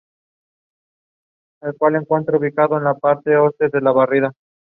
Fue reemplazado por el servicio conocido hoy en día como el Indian Pacific.